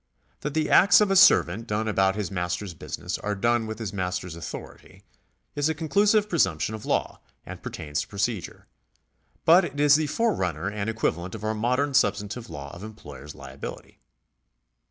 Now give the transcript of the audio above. That the acts of a servant done about his master's business are done with his master's authority is a conclusive presumption of 440 THE LAW OF PROCEDURE [§172 law, and pertains to procedure ;' but it is the forerunner and equivalent of our modern substantive law of employer's liability.